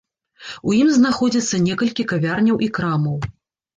У ім знаходзяцца некалькі кавярняў і крамаў.